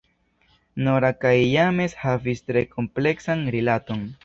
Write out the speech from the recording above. Nora kaj James havis tre kompleksan rilaton.